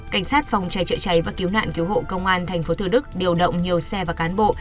cảnh sát phòng cháy chữa cháy và cứu nạn cứu hộ công an tp thủ đức điều động nhiều xe và cán bộ